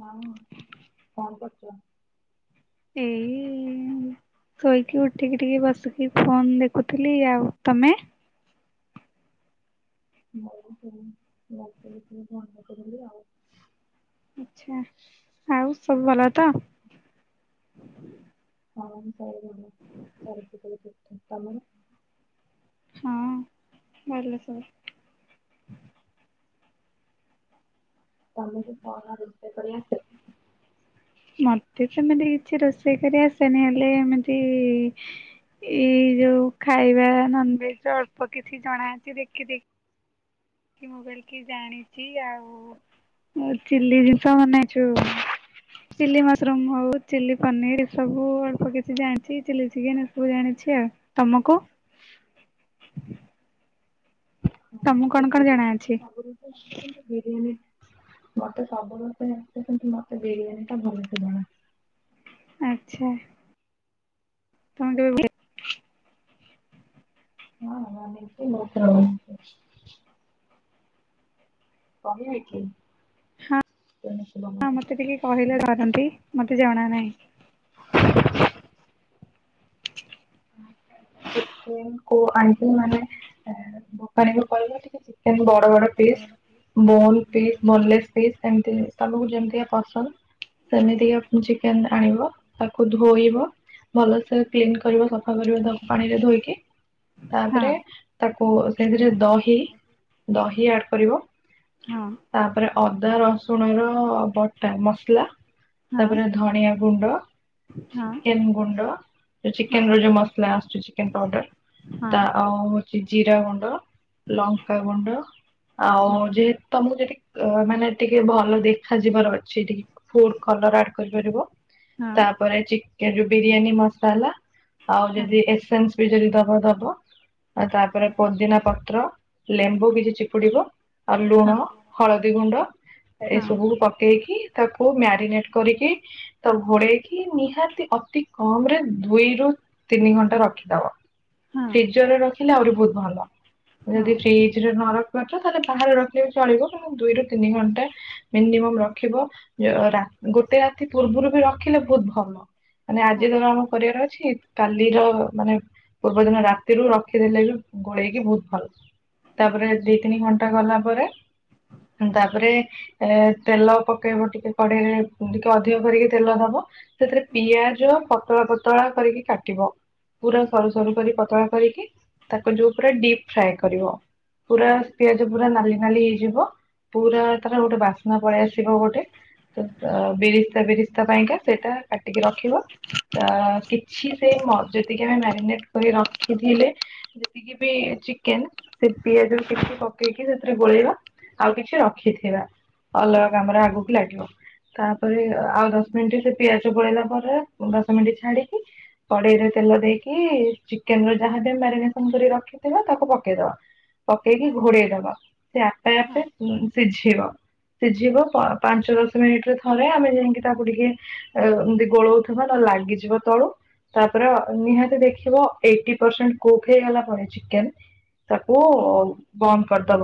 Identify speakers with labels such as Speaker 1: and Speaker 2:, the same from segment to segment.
Speaker 1: ହଁ କଣ କରୁଚ?
Speaker 2: ଏଇ ଶୋଇକି ଉଠିକି ଟିକେ ବସିକି ଫୋନ ଦେଖୁଥିଲି ଆଉ ତମେ?
Speaker 1: ମୁଁ ସେ ଟିକେ [inaudible] ଭଲି ଆଉ।
Speaker 2: ଆଚ୍ଛା ଆଉ ସବୁ ଭଲ ତ?
Speaker 1: ହଁ [inaudible] ସ ତମର
Speaker 2: ହଁ ମୋର ବି ସବୁ।
Speaker 1: ତମେକୁ କଣ ରୋଷେଇ କରି ଆସେ?
Speaker 2: ମତେ ସେମିତି କିଛି ରୋଷେଇ କରି ଆସେନି ହେଲେ ଏମିତି ଏଇ ଯୋଉ ଖାଇବା ନନଭେଜ ଅଳ୍ପ କିଛି ଜଣା ଅଛି ଦେଖି ଦେଖ ମୁଁ କିକି ଜାଣିଛି ଆଉ ଚି ଜିନିଷ ବନେଇଛୁ ଚିଲି ମସରୁମ ହଉ। ଚିଲି ପନିର ଏ ସବୁ ଅଳ୍ପ କିଛି ଜାଣିଛି ଚିଲି ଚିକେନ ଏସବୁ ଜାଣିଛି ଆଉ ତମକୁ? ତମକୁ
Speaker 1: ମତେ
Speaker 2: କଣ କଣ
Speaker 1: ବିରିୟାନୀ
Speaker 2: ଜଣା
Speaker 1: ମତେ
Speaker 2: ଅଛି?
Speaker 1: ସବୁ ରୋଷେଇ ଆସେ କିନ୍ତୁ ବିରିୟାନୀ ମତେ ସବୁ ରୋଷେଇ ଆସେ କିନ୍ତୁ ମୋତେ ବିରିୟାନୀ ଟା ଭଲସେ ଜଣା।
Speaker 2: ଆଛା। ତମେ କେବେ ବେ
Speaker 1: ଓ ହଁ [unintelligible] କହିବେ କି?
Speaker 2: ହଁ
Speaker 1: ପଣସ [unintelligible]
Speaker 2: ହଁ ମତେ ଟିକେ କହିଲେ [unintelligible] ମତେ ଜଣା ନାହିଁ।
Speaker 1: ଆ [unintelligible]
Speaker 2: ପା।
Speaker 1: ଦୋକାନୀ କୁ କହିଲେ ଟିକେ ଚିକେନ ବଡ ବଡ piece bone piece boneless piece ସେମତି ତମକୁ ଯେମିତିକା ପସନ୍ଦ ସେମିତି କି ଚିକେନ ଆଣିବ ତାକୁ ଧୋଇବ ଭଲସେ କ୍ଲିନ କରିବ। ସଫା କରିବ ତାକୁ ପାଣିରେ ଧୋଇକି
Speaker 2: ହଁ
Speaker 1: ତାପରେ ତାକୁ ସେଥିରେ ଦହି ଦହି ଆଡ୍ କରିବ।
Speaker 2: ହଁ।
Speaker 1: ତାପରେ ଅଦା ରସୁଣ ର ବଟା ମସଲା
Speaker 2: ହଁ
Speaker 1: ତାପରେ ଧନିଆ ଗୁଣ୍ଡ
Speaker 2: ହଁ
Speaker 1: ଚିକେନ ଗୁଣ୍ଡ ଯୋଉ
Speaker 2: ହଁ
Speaker 1: ଚିକେନ ର ଯୋଉ ମସଲା ଆସୁଚି ଚିକେନ ପାଉଡର
Speaker 2: ହଁ
Speaker 1: ତାଉ ହଉଛି ଜିରା ଗୁଣ୍ଡ ଲଙ୍କା ଗୁଣ୍ଡ ଆଉ
Speaker 2: ହଁ
Speaker 1: ଯେ ତମକୁ ଯଦି ଅ ମାନେ ଟିକେ ଭଲ ଦେଖା ଯିବାର ଅଛି ଟିକେ ଫୁଡ କଲର ଆଡ କରିପାରିବ।
Speaker 2: ହଁ
Speaker 1: ତାପରେ ଚିକେ ଯୋଉ ବିରିୟାନୀ ମସଲା ଆଉ
Speaker 2: ହଁ। ହଁ
Speaker 1: ଯଦି ଏସେନ୍ସ ବି ଯଦି ଦବ ଦବ ତାପରେ
Speaker 2: ହଁ
Speaker 1: ପୋଦିନା ପତ୍ର ଲେମ୍ବୁ ବି ଚିପୁଡିବ। ଆଉ
Speaker 2: ହଁ
Speaker 1: ଲୁଣ ହଳଦୀ ଗୁଣ୍ଡ
Speaker 2: ହଁ
Speaker 1: ଏସବୁକୁ ପକେଇକି ତାକୁ ମ୍ୟାରିନେଟ କରିକି ତ ଘୋଡେଇକି ନିହାତି ଅତି କମ ରେ ଦୁଇରୁୁ ତିନି ଘଣ୍ଟା ରଖିଦବ
Speaker 2: ହଁ
Speaker 1: ଫ୍ରିଜରରେ ରଖିଲେ ଆହୁରି ବହୁତ ଭଲ।
Speaker 2: ହଁ ହଁ ହଁ। ହଁ ହଁ
Speaker 1: ଯଦି
Speaker 2: ହଁ
Speaker 1: ଫ୍ରିଜ ରେ ନ ରଖିପାରୁଛ ତାହେଲେ ବାହାରେ ରଖିଲେ ବି ଚଳିବ ଦୁଇରୁ ତିନି ଘଣ୍ଟା ମିନିମମ ରଖିବ ରା ଗୋଟେ ରାତି ପୂର୍ବରୁ ବି ରଖିଲେ ବହୁତ ଭଲ। ମାନେ ଆଜି ତର ଆମ କରିବାର ଅଛି କାଲିର ମାନେ ପୂର୍ବ ଦିନ ରାତିରୁ ରଖିଦେଲେ ବି ଗୋଳେଇକି ବହୁତ ଭଲ।
Speaker 2: ହଁ ହଁ
Speaker 1: ତାପରେ ଦି ତିନି ଘଣ୍ଟା ଗଲା ପରେ ତାପରେ ଏ ତେଲ ପକେଇବ ଟିକେ କଡ଼େଇରେ ଟିକେ ଅଧିକ କରିକି ତେଲ ଦବ ସେଥିରେ ପିଆଜ ପତଳା ପତଳା କରିକି କା ବ ପୁରା ସରୁ ସରୁ କରି ପତଳା କରିକି ତାକୁ ଯୋଉ ପୁରା ଡିପ୍ ଫ୍ରାଏ କରିବ।
Speaker 2: ହଁ ହଁ
Speaker 1: ପୁରା
Speaker 2: ହଁ
Speaker 1: ପିଆଜ ପୁରା ନାଲି ନାଲି ହେଇଯିବ ପୁରା ତାର ଗୋଟେ ବାସ୍ନା ପଳେଇ ଆସିବ ଗୋଟେ। ତ ବିରିସ୍ତା ବିରିସ୍ତା ପାଇଁକା ସେଇଟା କାଟିକି ରଖିବ ତ କିଛି ସେ ମ ଯେତିକି ଆମେ ମାରିନେଟ କରି ରଖିଥିଲେ ଯେତିକି ବି ଚିକେନ ସେ ପିଆଜ କିଛି ପକେଇକି ସେଥିରେ ଗୋଳେଇବା। ଆଉ କିଛି ରଖିଥିବା
Speaker 2: ହଁ ହଁ ହଁ ହଁ ହଁ ହଁ
Speaker 1: ଅଲଗା କାମରେ ଆଗକୁ ଲାଗିବ। ତାପରେ ଆଉ ଦଶ ମିନିଟ୍ ସେ ପିଆଜ ପୋଳେଇଲା ପରେ ଦଶ ମିନିଟ୍ ଛାଡିକି କଡେଇରେ ତେଲ ଦେଇକି ଚିକେନ ର ଯାହା ବି ମ୍ୟାରିନେସନ କରି ରଖିଥିବା ତାକୁ ପକେଇଦବା। ପକେଇକି ଘୋଡେଇ ଦବା ସେ ଆପେ ଆପେ ସିଝ୍ ଝିବ ସିଝିବ ପାଞ୍ଚ ଦଶ ମିନିଟରେ ଥରେ ଆମେ ଯାଇକି ତାକୁ ଟିକେ ଏମିତି ଗୋଳଉଥିବା ନ ଲାଗିଯିବ ତଳୁ ତାପରେ ନିହାତି ଦେଖିବ ଏଇଟି ପରସେଣ୍ଟ କୁକ୍ ହେଇଗଲା ପରେ ଚିକେନ ତାକୁ ବନ୍ଦ କରିଦବ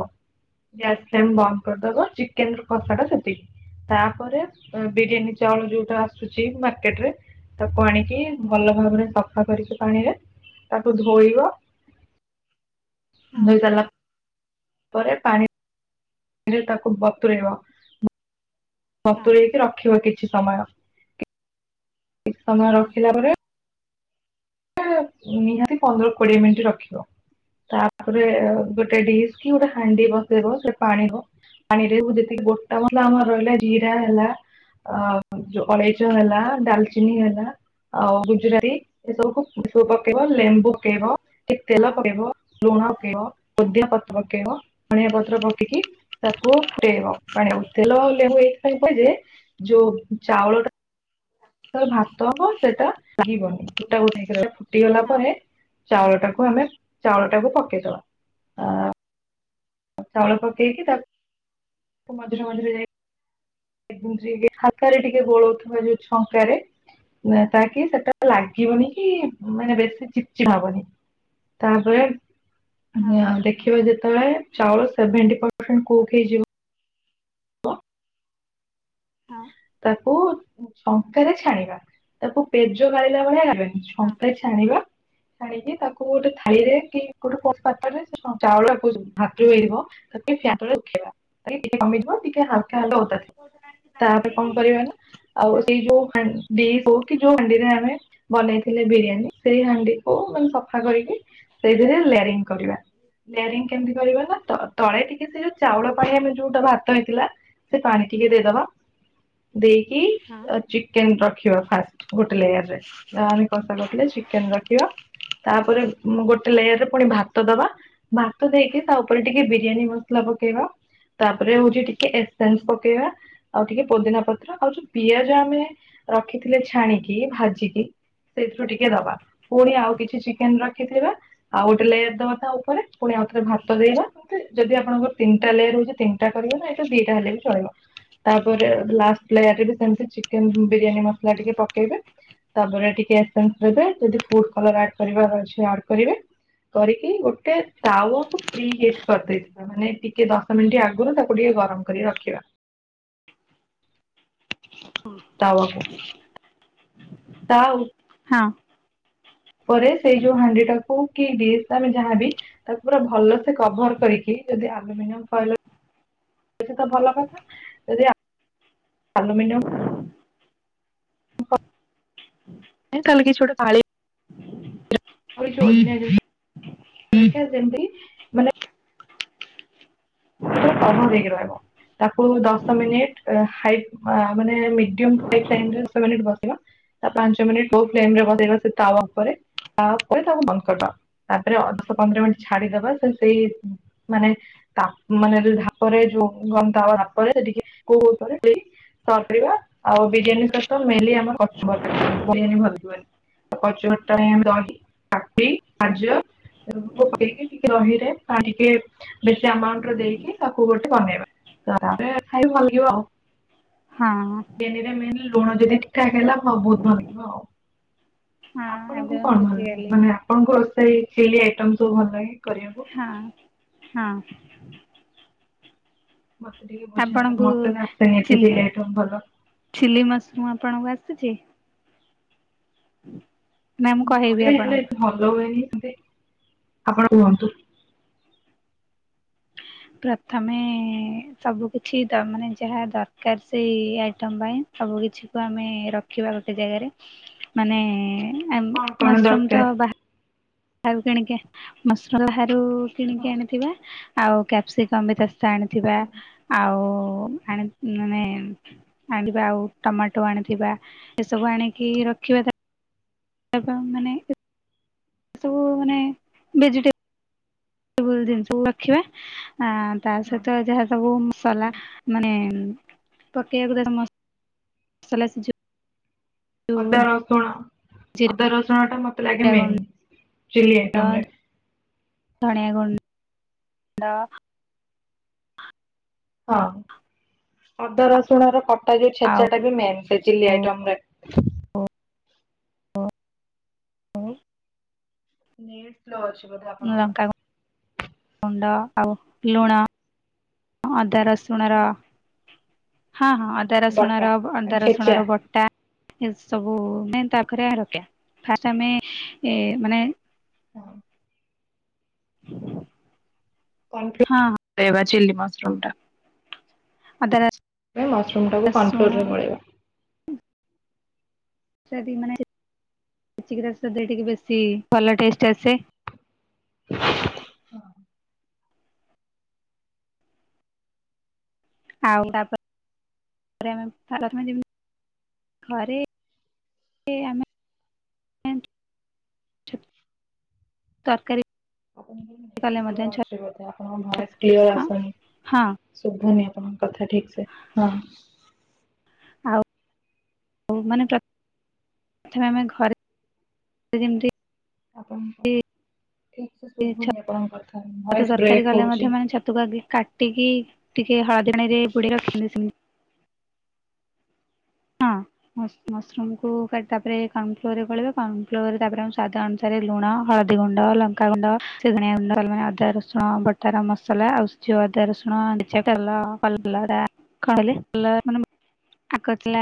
Speaker 1: ଗ୍ୟାସ୍ ଫ୍ଲେମ ବନ୍ଦ କରିଦବ। କେନ୍ଦ୍ର ପସଟା ସେତିକି ତାପରେ ବିରିୟାନୀ ଚାଉଳ ଯୋଉଟା ଆସୁଛି ମାର୍କେଟ ରେ ତାକୁ ଆଣିକି ଭଲ ଭାବରେ ସଫା କରିକି ପାଣିରେ ତାକୁ ଧୋଇବ ଧୋଇଲା ପରେ ପାଣି ପରେ ତାକୁ ବତୁରେଇବ। ସତୁୁରଇକି ରଖିବ କିଛି ସମୟ କିଛି ସମୟ ରଖିଲା ପରେ ନିହାତି ପନ୍ଦର କୋଡିଏ ମିନିଟ ରଖିବ। ତାପରେ ଗୋଟେ ଡିସ୍ କି ଗୋଟେ ହାଣ୍ଡି ବସେଇବ ସ। [unintelligible] ପାଣିରେ ଯେତିକି ଗୋଟା ମସଲା ଆମର ରହିଲା ଜିରା ହେଲା ଆ ଅଳେଇଚ ହେଲା ଡାଲଚିନି ହେଲା ଆଉ ଗୁଜୁରାତି ଏସବୁ କୁ ପକେଇବ ଲେମ୍ବୁ ପକେଇବ ଟିକ ତେଲ ପକେଇବ ଲୁଣ ପକେଇବ। ପୋଦିନ। ପତ୍ର ପକେଇବ ଧଣିଆ ପତ୍ର ପକେଇକି ତାକୁ ଫୁଟେଇବା ପାଣିକୁ ତେଲ, ଲେମ୍ବୁ ଏଇଥିପାଇଁ କୁହେ ଯେ ଯୋଉ ଚାଉଳ ଟା ଭାତ ହବ ସେଟା ଲାଗିବନି ଗୋଟା ଗୋଟା ହେଇକି ରହିବ, ଫୁଟିଗଲା ପରେ ଚାଉଳ ଟାକୁ ଆମେ ଚାଉଳ ଟାକୁ ପକେଇଦବା। ଚାଉଳ ପକେଇ କି ତାକୁ ମଝିରେ ମଝିରେ ଯାଇ ଯେଗି ହାତରେ ଟିକେ ଗୋଳଉଥିବ ଯୋଉ ଛଙ୍କାରେ ତାକି ସେଟା ଲା ଲାଗିବନି କି ମାନେ ବେଶୀ ଚିପଚିପା ହବନି। ତାପରେ ହାଁ ଦେଖିବ ଯେତେବେଳେ ଚାଉଳ ସେଭେଣ୍ଟି ପରସେଣ୍ଟ କୁକ୍ ହେଇଯିବ [unintelligible]
Speaker 2: ହଁ
Speaker 1: ତାକୁ ଶଙ୍କାରେ ଛାଣିବା ତାକୁ ପେଜ ଗାଳିଲା ଭଳିଆ ଗାଳିବା ନି। ଶଙ୍କ। ରେ ଛାଣିବା ଛାଣିକି ତାକୁ ଗୋଟେ ଥାଇ ରେ କି ଗୋଟେ ପପାତରେ ଚାଉଳକୁ ଭାତୁଇବ ତା ଫ୍ୟାନ୍‌ତଳେ ରଖିବା ତାହେଲେ ଟିକେ କମିିଯିବ ଟିକେ ହାଲକା ହାଲ୍କା ଓଦା ଥିବ। କଣ କରିବା ନା
Speaker 2: ହଁ
Speaker 1: ଆଉ ସେଇ ଯୋଉ ହାଣ୍ଡି ହଉ କି ଯୋଉ ହାଣ୍ଡିରେ ଆମେ ବନେଇଥିଲେ ବିରିୟାନୀ ସେଇ ହାଣ୍ଡିକୁୁ ମାନେ ସଫା କରିକି ସେଇଥିରେ ଲେୟରିଙ୍ଗ କରିବା ଲେୟାରଙ୍ଗ କେମିତି କରିବା ନା ତ ତଳେ ଟିକେ ସେ ଯୋଉ ଚାଉଳ ପାଇଁ ଆମେ ଯୋଉଟା ଭାତ ହେଇଥିଲା ସେ ପାଣି ଟିକେ ଦେଇଦବା। ଦେଇକି ଚିକେନ ରଖିବା ଫାଷ୍ଟ ଗୋଟେ ଲେୟାରରେ। ଆମେ କଷା କରଥିଲେ ଚିକେନ ରଖିବା ତାପରେ ଗୋଟେ ଲେୟର ରେ ପୁଣି ଭାତ ଦବା। ଭାତ ଦେଇକି ତା ଉପରେ ଟିକେ ବିରିୟାନୀ ମସଲା ପକେଇବା। ତାପରେ ହଉଛି ଟିକେ ଏସନ୍ସ ପକେଇବା ଆଉ ଟିକେ ପୋଦିନା ପତ୍ର ଆଉ ଯୋଉ ପିଆଜ ଆମେ ରଖିଥିଲେ ଛାଣିକି ଭାଜିକି ସେଇଥିରୁ ଟିକେ ଦବା ପୁଣି ଆଉ କିଛି ଚିକେନ ରଖିଥିବା ଆଉ ଗୋଟେ ଲେୟାର ଦବା ତା ଉପରେ ପୁଣି ଆଉ ଥରେ ଭାତ ଦେଇବା ଯଦି ଆଣଙ୍କର ତିନିଟା ଲେୟର ହଉଛି ତିନିଟା କରିବା ନା, ତ ଦିଟା ହେଲେ ବି ଚଳିବ। ତାପରେ ଲାଷ୍ଟ ଲେୟାରରେ ବି ସେମିତି ଚିକେନ ବିରିୟାନୀ ମସଲା ଟିକେ ପକେଇବେ। ତାପରେ ଟିକେ ଏସେନ୍ସ‌ ଦେବେ ଯଦି ଫୁଡ଼ କଲର ଆଡ କରିବାର ଅଛି ଆଡ୍‌ କରିବେ କରିକି ଗୋଟେ ତାୱ। କୁ ପ୍ରିହିଟ୍ କରିଦେଇଥି ତା ମାନେ ଟିକେ ଦଶ ମିନିଟ ଆଗରୁ ତାକୁ ଟିକେ ଗରମ କରି ରଖିବା। ତାୱକୁ ତା ଉପ
Speaker 2: ହଁ
Speaker 1: ପରେ ସେଇ ଯୋଉ ହାଣ୍ଡି ଟାକୁ କି ଡିସ୍ ଆମେ ଯାହାବି ତାକୁ ପୁରା ଭଲସେ କଭର କରିକି ଯଦି ଆଲୁମିନିୟମ ଫୋଏଲ ଏଟା ତ ଭଲ କଥା ଯଦି ଆଲୁମିନିୟ ତାହେଲେ କିଛି ଗୋଟେ ଥାଳି ଯା [unintelligible] ସେଯେମ ସେଜେମିତି ଉପରେ କଭର ହେଇକି ରହିବ ତାକୁ ଦଶ ମିନିଟ ହାଇଟ ମାନେ ମେଡିମ୍ ରୁ ହାଇ [unintelligible] [unintelligible] ରେ ବସିବା ତା ପାଞ୍ଚ ମିନିଟ୍ ଲୋ ଫ୍ଲେମ ରେ ବସେଇବା ସେ ତାବା ଉପରେ ତାପରେ ତାକୁ ବନ୍ଦକରିବା। ତାପରେ ଅଠର ଶହ ପନ୍ଦର ମିନିଟ ଛାଡିଦବା ତେଣୁ ସେଇ ମାନେ ତା ମାନେ ଧାପରେ ଯୋଉ ଗନ ତାବା ଧପରେ ଟିକେ କେ କଣ କରିବା ଆଉ ବିରିୟାନୀ ସହିତ ମେନଲି ଆମର କଚୁମର୍ ଟା ଖାଆନ୍ତି ବିରିୟାନୀ [unintelligible] [unintelligible] କଚୁ [unintelligible] [unintelligible] [unintelligible] ଦେଇକି ତାକୁ ଗୋଟେ ବନେଇବା ତାମାନେ ତାପରେ ଖାଇବା [unintelligible]
Speaker 2: ହଁ
Speaker 1: ବେନରେ ଲୁଣ ଯଦି ଠିକ୍ ଖାଇ ହେଲା ଆଉ ବହୁତ ଭଲ ଲାଗିବ ଆଉ। ଆପଣଙ୍କୁ
Speaker 2: ଏବେ ମୁଁ
Speaker 1: କଣ ଭଲ ଲାଗେ
Speaker 2: ବୁଝିଗଲି।
Speaker 1: ମାନେ ଆପଣଙ୍କ ସେଇ ଚିଲି ଆଇଟମ ସବୁ ଭଲ ଲାଗେ କରିବାକୁ
Speaker 2: ହଁ ହଁ
Speaker 1: ମତେ ଟିକେ ବୁଝନ୍ତୁ
Speaker 2: ଆପଣଙ୍କୁ
Speaker 1: ମୋତେନେକ୍ସଟାଇମ୍ ଏତେଯେ
Speaker 2: ଚିହ୍ନି
Speaker 1: ହେଲେ ଯାଏ ଭଲ।
Speaker 2: ଚିଲି ମସରୁମ ଆପଣଙ୍କୁ ଆସିଚି? ହୁଁ
Speaker 1: ମୁଁ କରେ ହେଲେ ଭଲ ହୁଏନି ସେମିତି ଆପଣ କୁହନ୍ତୁ
Speaker 2: ପ୍ରଥମେ ସବୁ କିଛି ତାମାନେ ଯାହା ଦରକାର ସେଇ ଆଇଟମ ପାଇଁ ସବୁ କିଛି କୁ ଆମେ ରଖିବା ଗୋଟେ ଜାଗାରେ ମାନେ ଏମ୍
Speaker 1: କଣ କଣ
Speaker 2: ମସରୁମ୍
Speaker 1: ଦରକାର?
Speaker 2: ତ ବାହା ଆଉ କିଣିକି ମସଲାାବାହାରୁ
Speaker 1: ହଁ
Speaker 2: କିଣିକି ଆଣିଥିବା ଆଉ କ୍ୟାପ୍ସିକମ୍ ବି ଚାଷ ଆଣିଥିବା
Speaker 1: ହଁ
Speaker 2: ଆଉ ଆଣି ମାନେ ଆଣିବା ଆଉ ଟମାଟୋ ଆଣିଥିବା ଏସବୁ ଆଣିକି ରଖିବା ଆଜ୍ଞା ମାନେ ବୁ ମାନେ ଭେଜେଟେ ସବୁ ଜିନିଷ ସବୁ ରଖିବା ଆ ତା
Speaker 1: ହଁ
Speaker 2: ସହିତ ଯାହା ସବୁ ମସଲା
Speaker 1: ହଁ।
Speaker 2: ମାନେ ପକେଇବାକୁ ଗରମ୍ ମସଲା ଯ
Speaker 1: ଅଦା ରସୁଣ
Speaker 2: ଜିରା
Speaker 1: ଅଦା ରସୁଣ ଟା ମତେ ଲାଗେ ମେନ୍
Speaker 2: ଗୁଣ୍ଡ
Speaker 1: ଚିଲି ଆଇଟମ୍ ରେ
Speaker 2: ଧଣି ଗୁଣ୍ଡ ଡ
Speaker 1: ହଁ ଅଦା ରସୁଣ ର କଟା ଯେ
Speaker 2: ଆଉ
Speaker 1: ଛେଚା ଟା ବି ମେନ୍ ସେ ଚିଲି ଆଇଟମରେ।
Speaker 2: ଅ ଅ ହଉ
Speaker 1: ନେଟ୍ ସ୍ଲୋ ଅଛି ବୋଧେ ଆପଣଙ୍କର?
Speaker 2: ଗୁଣ୍ଡ ଆଉ ଲୁଣ। ଅଦା ରସୁଣ ର ହଁ ହଁ ଅଦା
Speaker 1: ବଟା
Speaker 2: ରସୁଣର ବ ଅଦା
Speaker 1: ଛେଚା
Speaker 2: ରସୁଣର ବଟା ଏ ସବୁ ମେନ୍ ତାପାଖେ ରଖେ ଫାଷ୍ଟ ଆମେ ଏ ମାନେ
Speaker 1: ହୁଁ କଂ ଦେ
Speaker 2: ହଁ
Speaker 1: ଦେବା ଚିଲ୍ଲି
Speaker 2: ହଁ
Speaker 1: ମସରୁମ୍ ଟା
Speaker 2: ଅଦା ର
Speaker 1: ଏ ମସରୁମ୍ ଟାକୁ କନ୍ ଫ୍ଲୋରରେ ଗୋଲେବା
Speaker 2: ଯଦି ମାନେସେ ଚିନି ରସ ଦେଇ କି ବେଶୀ ଭଲ ଟେଷ୍ଟ ଆସେ
Speaker 1: ଫୁ ହଁ
Speaker 2: ଆଉ ତାାପ ରେ ଥାରଚମେନ୍ ଜିବୁ ଘରେ ଏ ଆମେ ତରକାରୀ
Speaker 1: ଆପଣ ଙ୍କ ନେଟ
Speaker 2: କଲେ
Speaker 1: ସ୍ଲୋ
Speaker 2: ମଧ୍ୟ
Speaker 1: ଆଛି ବୋଧେ ଆପଣଙ୍କ ଭଏସ କ୍ଲିୟାର ଆସୁନି
Speaker 2: ହଁ
Speaker 1: ଶୁଭୁନି ଆପଣଙ୍କ କଥା ଠିକ ସେ ହଁ
Speaker 2: ଆଉ ହଉ ମାନେ ପ୍ରଥମେ ଆମେ ଘରେ ଯେମିତି
Speaker 1: ଆପଣଙ୍କ ଠିକ ସେ ଶୁଭନି ଆପଣଙ୍କ କଥା
Speaker 2: ଛାତୁ
Speaker 1: ଭଏସ
Speaker 2: ତରକାରୀ
Speaker 1: ବ୍ରେକ୍
Speaker 2: କଲେ
Speaker 1: ହଉଛି।
Speaker 2: ମଧ୍ୟ ମାନେ ଛାତୁକୁ ଆଗେ କାଟିକି ଟିକେ ହଳଦୀଆଣିୀ ରେ ବୁଡ ରଖିନ୍ତି ସେମିତି
Speaker 1: ହ [inaudible]
Speaker 2: ମସମ କରେଣ ଫ୍ଲର ରେ ଗଣ ଫ୍ଲୋରେ ତାରେ ଆ ସାଦୁ ରେ ଲୁଣ ହଳଦୀ ଗୁଣ୍ଡ ଲଙ୍କାାଗୁଣ୍ଡ ସେଗଆ ଗୁଣ୍ଡ ମାନେ ଅଦା ରସୁଣ ବଟର ମସଲା ଆଉ ଯୁଆ ଦାରଶୁଣଲ କଣ ମାନେ ଆ କଥିଲା